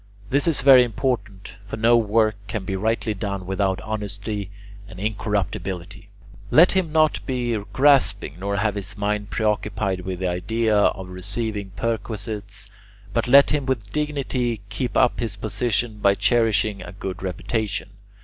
This is very important, for no work can be rightly done without honesty and incorruptibility. Let him not be grasping nor have his mind preoccupied with the idea of receiving perquisites, but let him with dignity keep up his position by cherishing a good reputation.